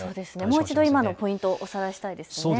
もう一度、今のポイントをおさらいしたいですね。